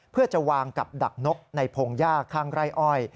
เพื่อจะวางกับดักนกในพงหญ้าข้างไร่อ้อย